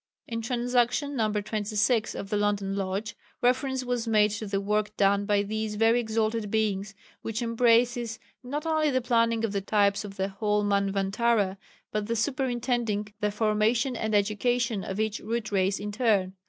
In Transaction No. 26, of the London Lodge, reference was made to the work done by these very exalted Beings, which embraces not only the planning of the types of the whole Manvantara, but the superintending the formation and education of each Root Race in turn.